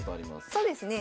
そうですね。